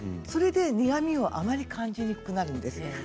それで苦みを感じにくくなるんです。